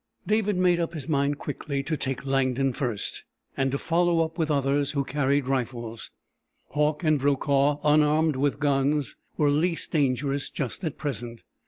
David made up his mind quickly to take Langdon first, and to follow up with others who carried rifles. Hauck and Brokaw, unarmed with guns, were least dangerous just at present.